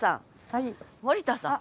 森田さん。